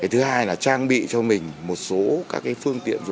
thứ hai là trang bị cho mình một số các phương tiện